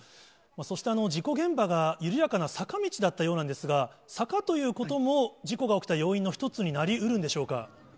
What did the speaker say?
そして事故現場が緩やかな坂道だったようなんですが、坂ということも、事故が起きた要因の一つになりうるんでしょうか。